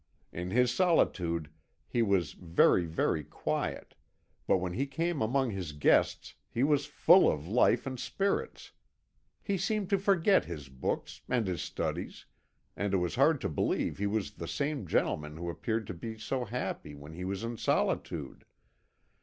In his solitude he was very, very quiet, but when he came among his guests he was full of life and spirits. He seemed to forget his books, and his studies, and it was hard to believe he was the same gentleman who appeared to be so happy when he was in solitude.